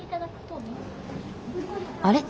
あれ？